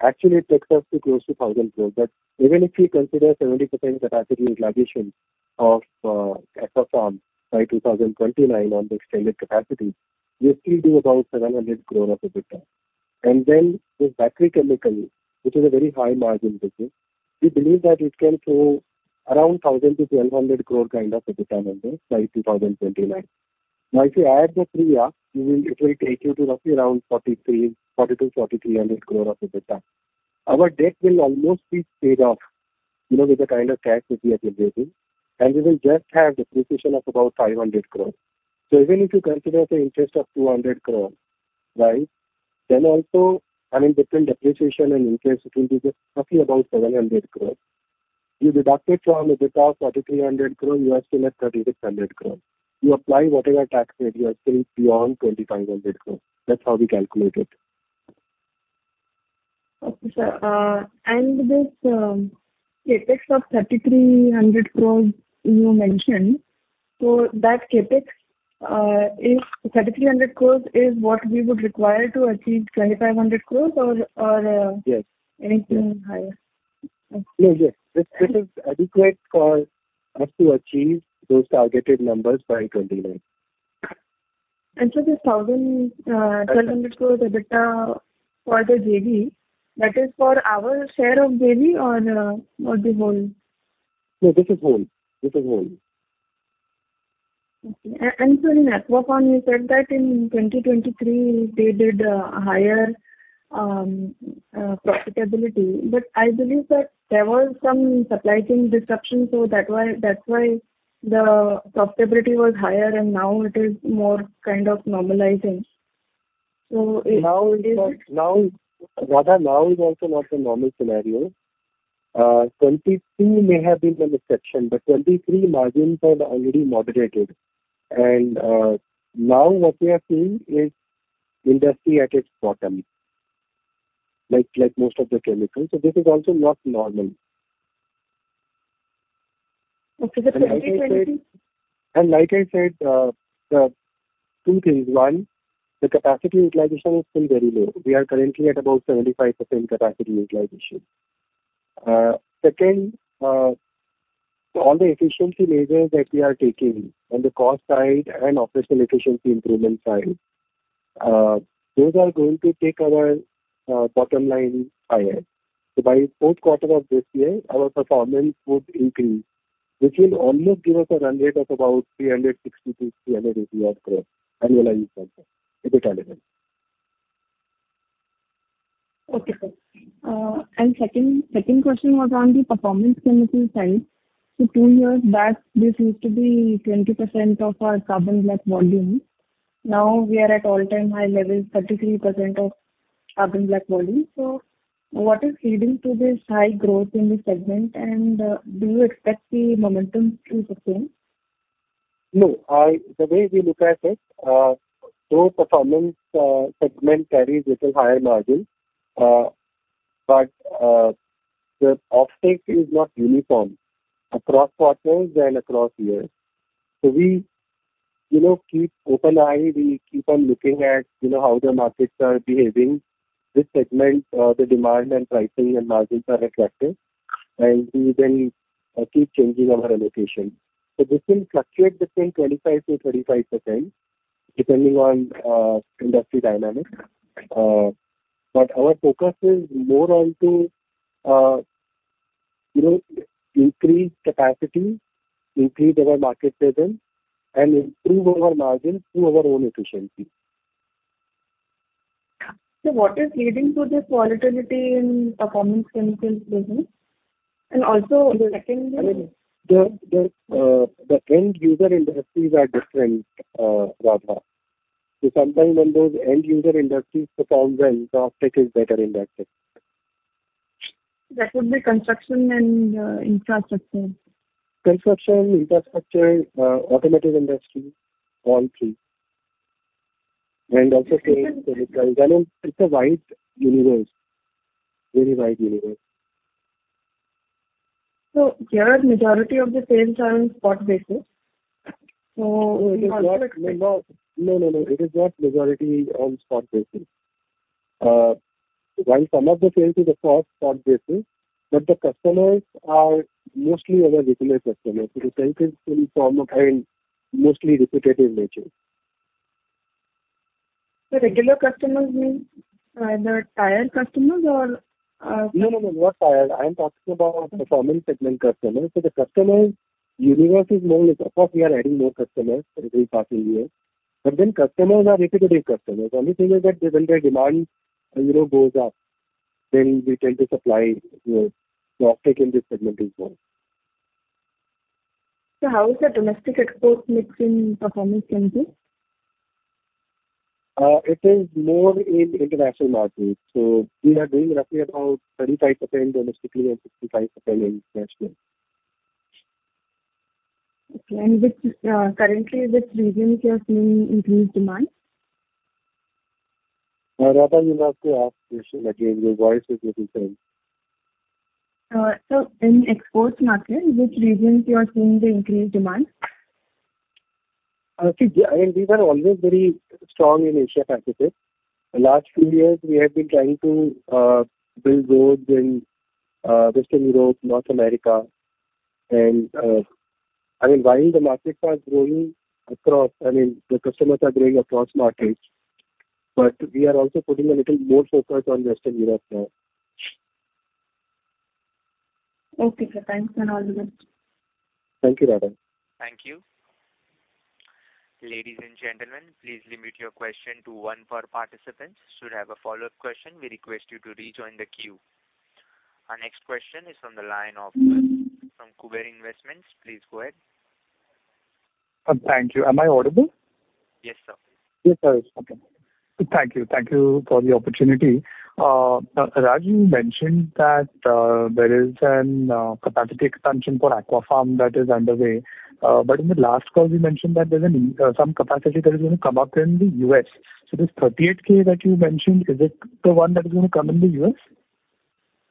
Actually, it takes us to close to 1,000 crore, but even if we consider 70% capacity utilization of Aquapharm by 2029 on the extended capacity, we still do about 700 crore of EBITDA. And then the battery chemical, which is a very high margin business, we believe that it can show around 1,000-1,200 crore kind of EBITDA numbers by 2029. Now, if you add the three up, you will—it will take you to roughly around 4,000-4,300 crore of EBITDA. Our debt will almost be paid off, you know, with the kind of cash which we are generating, and we will just have depreciation of about 500 crore. So even if you consider the interest of 200 crore, right? Then also, I mean, between depreciation and interest, it will be just roughly about 700 crore. You deduct it from EBITDA of 4,300 crore, you are still at 3,600 crore. You apply whatever tax rate, you are still beyond 2,500 crore. That's how we calculate it. Okay, sir. And this CapEx of INR 3,300 crore you mentioned, so that CapEx is INR 3,300 crore is what we would require to achieve INR 2,500 crore or- Yes. -anything higher? No, yes. This, this is adequate for us to achieve those targeted numbers by 2029. And so the 1,200 crore EBITDA for the JV, that is for our share of JV or, or the whole? No, this is whole. This is whole. Okay. And so in Aquapharm, you said that in 2023, they did higher profitability. But I believe that there was some supply chain disruption, so that's why the profitability was higher, and now it is more kind of normalizing. So it- Now, Radha, now is also not a normal scenario. 2022 may have been the exception, but 2023 margins are already moderated. And, now what we are seeing is industry at its bottom, like most of the chemicals. So this is also not normal. Okay, so 2020- And like I said, two things: One, the capacity utilization is still very low. We are currently at about 75% capacity utilization. Second, all the efficiency measures that we are taking on the cost side and operational efficiency improvement side, those are going to take our, bottom line higher. So by fourth quarter of this year, our performance would increase, which will almost give us a run rate of about 360 crore-380 crore odd, annualized basis, EBITDA basis. Okay, sir. And second question was on the performance chemical side. Two years back, this used to be 20% of our carbon black volume. Now we are at all-time high levels, 33% of carbon black volume. What is leading to this high growth in this segment, and do you expect the momentum to sustain? No, the way we look at it, though performance segment carries a little higher margin, but the offtake is not uniform across quarters and across years. So we, you know, keep open eye. We keep on looking at, you know, how the markets are behaving. This segment, the demand and pricing and margins are attractive, and we then keep changing our allocation. So this will fluctuate between 25%-35%, depending on industry dynamics. But our focus is more on to, you know, increase capacity, increase our market presence, and improve our margins through our own efficiency. What is leading to this volatility in performance chemicals business? And also, the second- I mean, the end user industries are different, Radha. So sometime when those end user industries perform well, the offtake is better in that case. That would be construction and infrastructure. Construction, infrastructure, automotive industry, all three.... and also sales. I mean, it's a wide universe, very wide universe. So here, majority of the sales are on spot basis, so- No, no, no. It is not majority on spot basis. While some of the sales is of course spot basis, but the customers are mostly our regular customers. The sales is in form of, mostly repetitive nature. -so regular customers means either tire customers or, No, no, no, not tire. I'm talking about the performance segment customers. So the customers' universe is more... Of course, we are adding more customers every passing year, but then customers are repetitive customers. Only thing is that when their demand, you know, goes up, then we tend to supply more. The uptake in this segment is more. How is the domestic export mix in Performance Chemical? It is more in international markets. So we are doing roughly about 35% domestically and 65% in international. Okay. Currently, which regions you are seeing increased demand? Radha, you'll have to ask the question again. Your voice is little faint. So, in export market, which regions you are seeing the increased demand? See, I mean, we were always very strong in Asia Pacific. The last few years we have been trying to build roads in Western Europe, North America. I mean, while the markets are growing across, I mean, the customers are growing across markets, but we are also putting a little more focus on Western Europe now. Okay, sir. Thanks, and all the best. Thank you, Radha. Thank you. Ladies and gentlemen, please limit your question to one per participant. Should have a follow-up question, we request you to rejoin the queue. Our next question is from the line of, from Kuber Investments. Please go ahead. Thank you. Am I audible? Yes, sir. Yes, sir. It's okay. Thank you. Thank you for the opportunity. Raj, you mentioned that there is a capacity expansion for Aquapharm that is underway. But in the last call, you mentioned that there's some capacity that is going to come up in the U.S. So this 38,000 that you mentioned, is it the one that is going to come in the U.S.?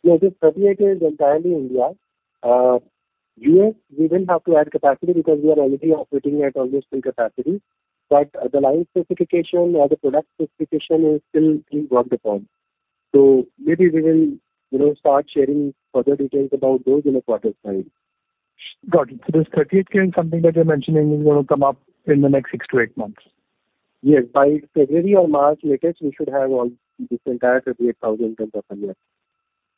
Yes, the 38,000 is entirely India. US, we will have to add capacity because we are already operating at almost full capacity. But the line specification or the product specification is still being worked upon. So maybe we will, you know, start sharing further details about those in a quarter time. Got it. So this 38,000 is something that you're mentioning is going to come up in the next 6-8 months? Yes. By February or March latest, we should have all this entire 38,000 tons per year.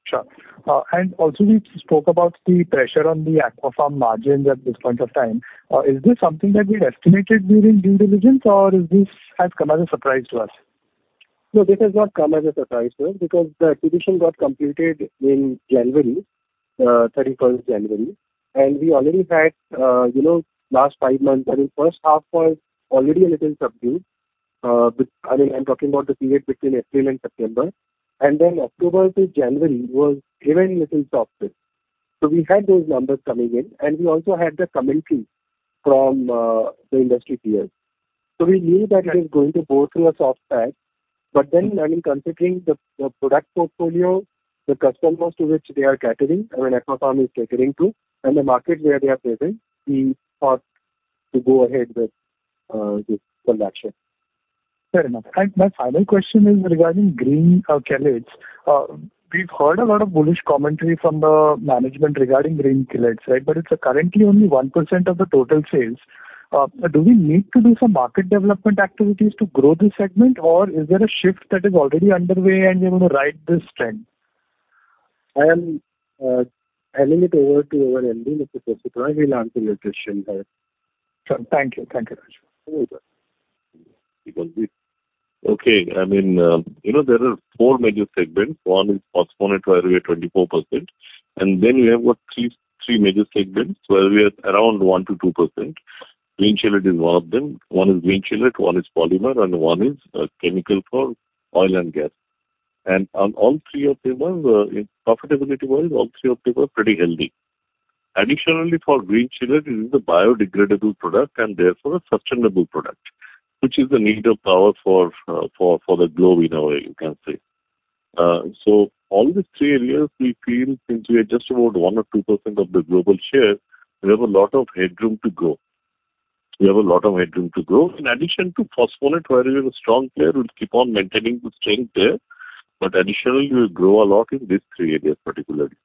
Sure. Also you spoke about the pressure on the Aquapharm margins at this point of time. Is this something that we had estimated during due diligence, or is this has come as a surprise to us? No, this has not come as a surprise, sir, because the acquisition got completed in January 31. And we already had, you know, last 5 months, I mean, first half was already a little subdued. I mean, I'm talking about the period between April and September. And then October to January was even little softer. So we had those numbers coming in, and we also had the commentary from, the industry peers. So we knew that it is going to go through a soft patch, but then, I mean, considering the, the product portfolio, the customers to which they are catering, I mean, Aquapharm is catering to, and the market where they are present, we thought to go ahead with, this transaction. Fair enough. My final question is regarding green chelates. We've heard a lot of bullish commentary from the management regarding green chelates, right? But it's currently only 1% of the total sales. Do we need to do some market development activities to grow this segment, or is there a shift that is already underway and we're going to ride this trend? I am handing it over to our MD, Mr. Roy. He'll answer your question better. Sure. Thank you. Thank you, Raj. Okay, sir. Okay, I mean, you know, there are four major segments. One is phosphonate, where we are 24%, and then we have got three, three major segments, where we are around 1%-2%. Green chelate is one of them. One is green chelate, one is polymer, and one is chemical for oil and gas. And on all three of them, in profitability-wise, all three of them are pretty healthy. Additionally, for green chelate, it is a biodegradable product and therefore a sustainable product, which is the need of power for, for, for the globe in a way, you can say. So all these three areas, we feel since we are just about 1%-2% of the global share, we have a lot of headroom to grow. We have a lot of headroom to grow. In addition to phosphonate, where we are a strong player, we'll keep on maintaining good strength there, but additionally, we'll grow a lot in these three areas particularly.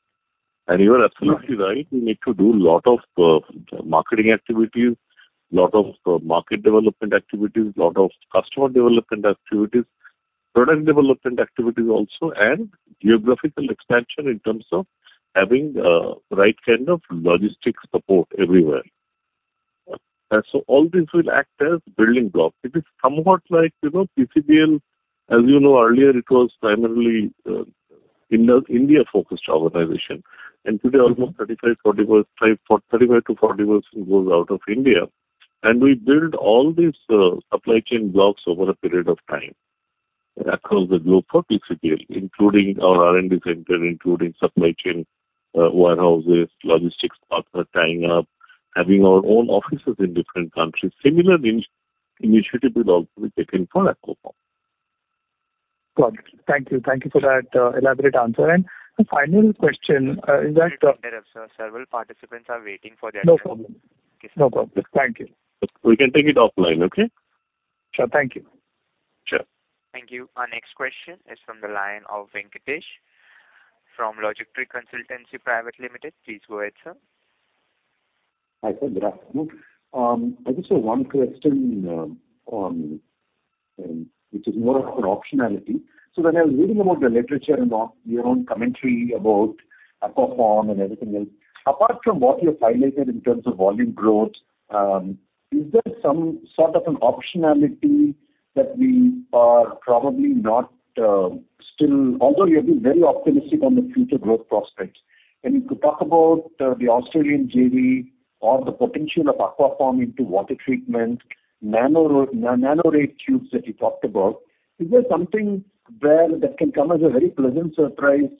And you are absolutely right, we need to do a lot of marketing activities, lot of market development activities, lot of customer development activities, product development activities also, and geographical expansion in terms of having right kind of logistics support everywhere. And so all these will act as building blocks. It is somewhat like, you know, PCBL, as you know, earlier, it was primarily India-focused organization, and today almost 35%, 45%, 35%-40% goes out of India, and we build all these supply chain blocks over a period of time. across the globe for PCBL, including our R&D center, including supply chain, warehouses, logistics partner tying up, having our own offices in different countries. Similar initiative will also be taken for Aquapharm. Got it. Thank you. Thank you for that, elaborate answer. The final question is that- Sir, several participants are waiting for their turn. No problem. No problem. Thank you. We can take it offline, okay? Sure. Thank you. Sure. Thank you. Our next question is from the line of Venkatesh, from Logic Consultancy Private Limited. Please go ahead, sir. Hi, sir. Good afternoon. I just have one question, which is more of an optionality. So when I was reading about the literature and on your own commentary about Aquapharm and everything else, apart from what you have highlighted in terms of volume growth, is there some sort of an optionality that we are probably not—although you have been very optimistic on the future growth prospects. And you could talk about the Australian JV or the potential of Aquapharm into water treatment, nano, nanotubes that you talked about. Is there something where that can come as a very pleasant surprise,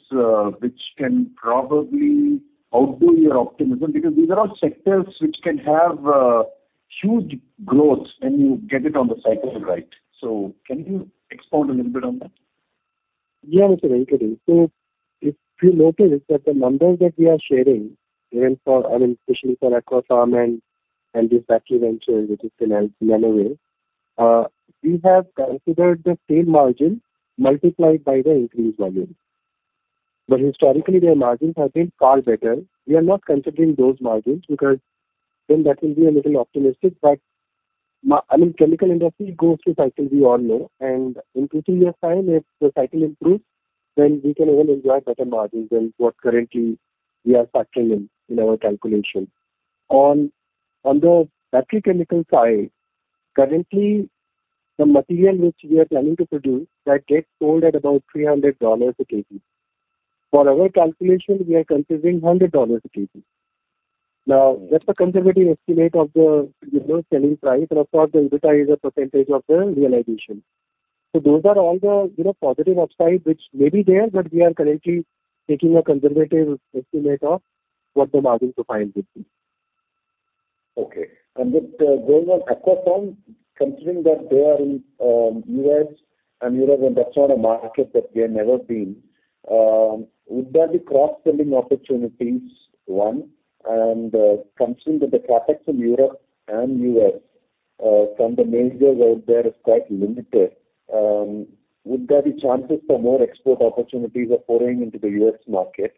which can probably outdo your optimism? Because these are all sectors which can have huge growth when you get it on the cycle right. So can you expound a little bit on that? Yeah, Mr. Venkatesh. So if you notice that the numbers that we are sharing, even for, I mean, especially for Aquapharm and, and this battery venture, which is nano-based, we have considered the same margin multiplied by the increased volume. But historically, their margins have been far better. We are not considering those margins because then that will be a little optimistic. But I mean, chemical industry goes through cycles, we all know, and in two, three years time, if the cycle improves, then we can even enjoy better margins than what currently we are factoring in, in our calculation. On the battery chemical side, currently, the material which we are planning to produce, that gets sold at about $300 a kg. For our calculation, we are considering $100 a kg. Now, that's a conservative estimate of the, you know, selling price, and of course, the EBITDA is a percentage of the realization. So those are all the, you know, positive upside which may be there, but we are currently taking a conservative estimate of what the margin profile would be. Okay. And with going on Aquapharm, considering that they are in U.S. and Europe, and that's not a market that we have never been, would there be cross-selling opportunities, one? And considering that the CapEx in Europe and U.S. from the majors out there is quite limited, would there be chances for more export opportunities of pouring into the U.S. market?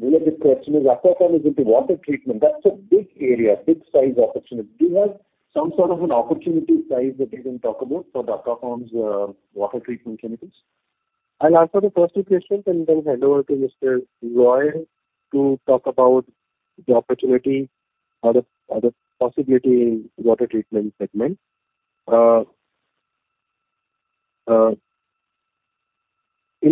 Related question, Aquapharm is into water treatment. That's a big area, big size opportunity. Do you have some sort of an opportunity size that you can talk about for the Aquapharm's water treatment chemicals? I'll answer the first two questions, and then hand over to Mr. Roy to talk about the opportunity or the possibility in water treatment segment. In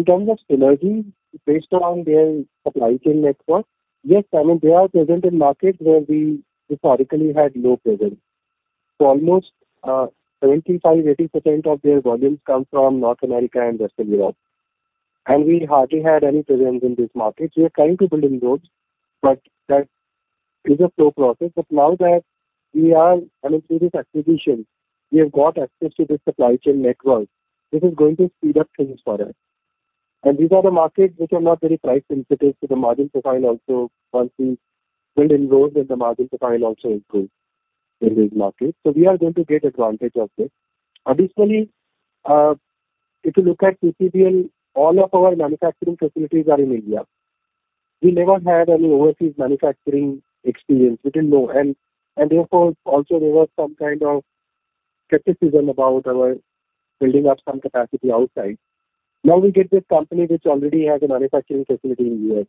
terms of synergy, based on their supply chain network, yes, I mean, they are present in markets where we historically had low presence. So almost 75%-80% of their volumes come from North America and Western Europe, and we hardly had any presence in this market. We are trying to build inroads, but that is a slow process. But now that we are, I mean, through this acquisition, we have got access to this supply chain network, this is going to speed up things for us. And these are the markets which are not very price sensitive, so the margin profile also, once we build inroads, then the margin profile also improves in these markets. So we are going to get advantage of this. Additionally, if you look at PCBL, all of our manufacturing facilities are in India. We never had any overseas manufacturing experience. We didn't know, and, and therefore, also there was some kind of skepticism about our building up some capacity outside. Now, we get this company which already has a manufacturing facility in U.S.,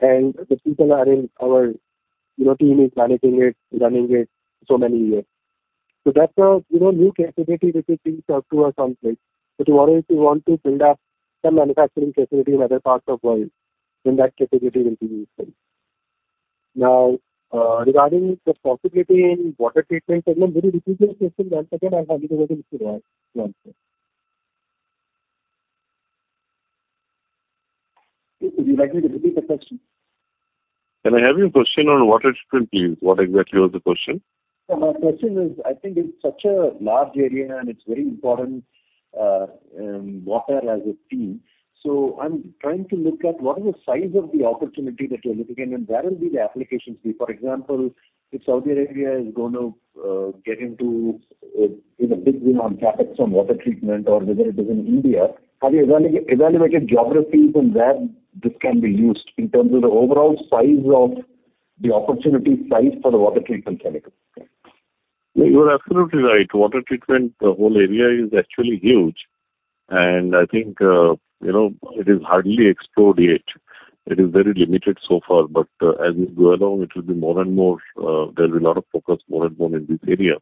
and the people are in our, you know, team is managing it, running it for many years. So that's a, you know, new capacity which is being talked to or something. So tomorrow, if you want to build up some manufacturing facility in other parts of world, then that capacity will be useful. Now, regarding the possibility in water treatment segment, will you repeat the question one second? I'll hand it over to Mr. Roy to answer. Would you like me to repeat the question? Can I have your question on water treatment, please? What exactly was the question? My question is, I think it's such a large area, and it's very important, water as a theme. I'm trying to look at what is the size of the opportunity that you are looking at, and where will be the applications be? For example, if Saudi Arabia is going to get into in a big boom on CapEx on water treatment or whether it is in India, have you evaluated geographies and where this can be used in terms of the overall size of the opportunity size for the water treatment chemicals? You are absolutely right. Water treatment, whole area is actually huge, and I think, you know, it is hardly explored yet. It is very limited so far, but, as we go along, it will be more and more, there'll be a lot of focus more and more in this area.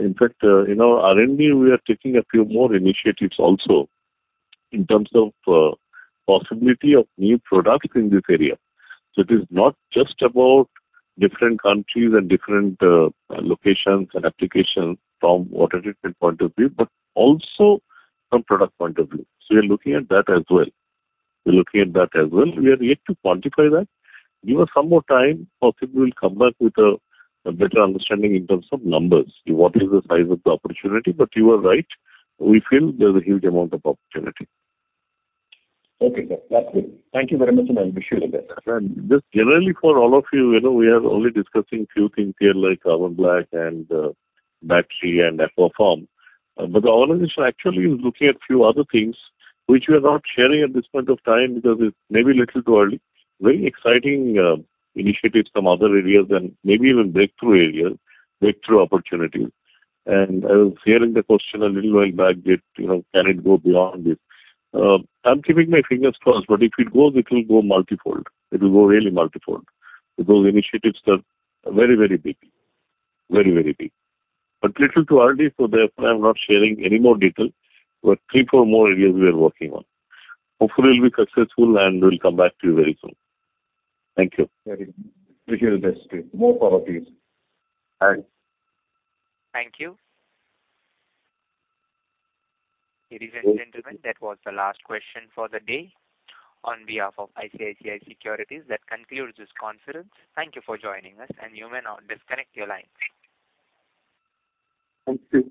In fact, in our R&D, we are taking a few more initiatives also in terms of, possibility of new products in this area. So it is not just about different countries and different, locations and applications from water treatment point of view, but also from product point of view. So we are looking at that as well. We're looking at that as well. We are yet to quantify that. Give us some more time. Possibly, we'll come back with a, a better understanding in terms of numbers. What is the size of the opportunity? But you are right, we feel there's a huge amount of opportunity. Okay, sir. That's good. Thank you very much, and I wish you the best. And just generally for all of you, you know, we are only discussing few things here, like carbon black and battery and Aquapharm. But the organization actually is looking at few other things which we are not sharing at this point of time because it's maybe a little too early. Very exciting initiatives from other areas and maybe even breakthrough areas, breakthrough opportunities. And I was hearing the question a little while back that, you know, can it go beyond this? I'm keeping my fingers crossed, but if it goes, it will go multifold. It will go really multifold. Those initiatives are very, very big. Very, very big. But little too early, so therefore, I'm not sharing any more detail, but three, four more areas we are working on. Hopefully, we'll be successful, and we'll come back to you very soon. Thank you. Very good. Wish you the best. More power to you. Thanks. Thank you. Ladies and gentlemen, that was the last question for the day. On behalf of ICICI Securities, that concludes this conference. Thank you for joining us, and you may now disconnect your lines. Thank you.